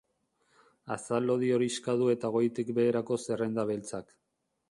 Azal lodi horixka du eta goitik beherako zerrenda beltzak.